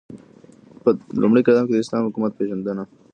په لومړی قدم كې داسلامي حكومت پيژندنه